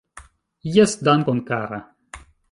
Jes, dankon kara